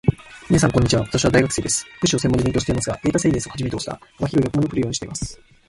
みなさん、こんにちは。私は大学生です。福祉を専門に勉強していますが、データサイエンスをはじめとした幅広い学問にも触れるようにしています。